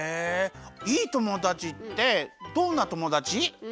いいともだちってどんなともだち？